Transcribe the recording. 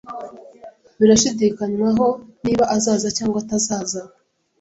Birashidikanywaho niba azaza cyangwa atazaza.